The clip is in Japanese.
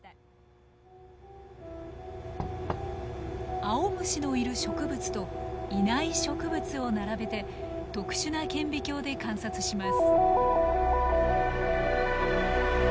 アオムシのいる植物といない植物を並べて特殊な顕微鏡で観察します